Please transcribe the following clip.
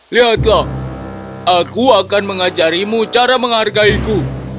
lihatlah aku akan mengajarimu cara menghargaiku